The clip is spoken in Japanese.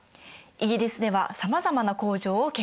イギリスではさまざまな工場を見学。